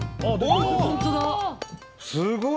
すごい！